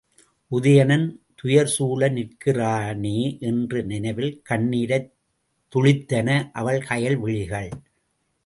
உதயணன் துயர்சூழ நிற்கிறானே என்ற நினைவில் கண்ணிரைத் துளித்தன அவள் கயல் விழிகள்.